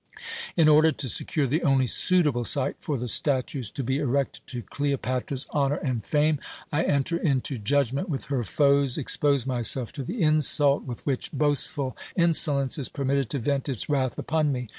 In order to secure the only suitable site for the statues to be erected to Cleopatra's honour and fame, I enter into judgment with her foes, expose myself to the insult with which boastful insolence is permitted to vent its wrath upon me.